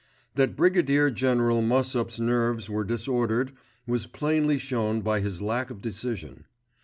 That Brigadier General Mossop's nerves were disordered was plainly shown by his lack of decision.